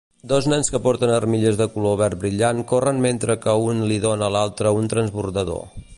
Dos nens que porten armilles de color verd brillant corren mentre que un li dóna a l'altre un transbordador.